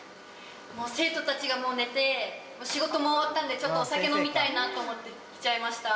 生徒たちがもう寝て仕事も終わったんでちょっとお酒飲みたいなと思って来ちゃいました。